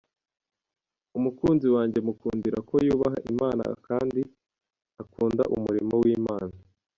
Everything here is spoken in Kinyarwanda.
Umukunzi wanjye mukundira ko yubaha Imana akndi akunda umurimo w’Imana”.